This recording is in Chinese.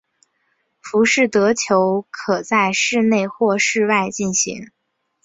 浮士德球可在室内或室外进行。